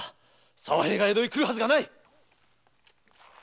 沢平が江戸へ来るはずがない！